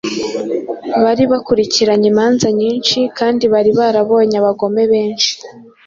Bari barakurikiranye imanza nyinshi kandi bari barabonye abagome benshi